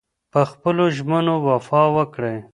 پخپلو ژمنو وفا وکړئ.